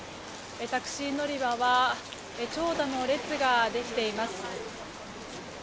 タクシー乗り場は長蛇の列ができています。